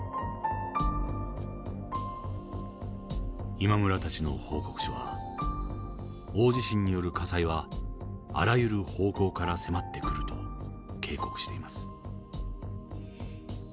今村たちの報告書は大地震による火災はあらゆる方向から迫ってくると警告しています。